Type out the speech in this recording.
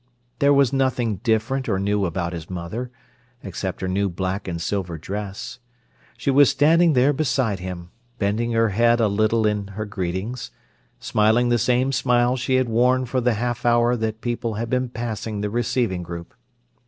There was nothing different or new about his mother, except her new black and silver dress: she was standing there beside him, bending her head a little in her greetings, smiling the same smile she had worn for the half hour that people had been passing the "receiving" group.